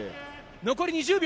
残り２０秒。